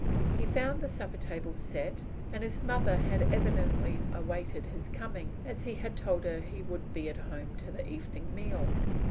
He found the supper table set, and his mother was evidently awaiting his coming, as he had told her that he would be at home to the evening meal.